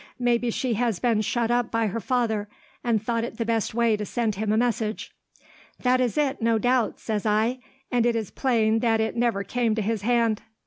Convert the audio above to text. Maybe she has been shut up by her father, and thought it the best way to send him a message.' "'That is it, no doubt,' says I; 'and it is plain that it never came to his hand.'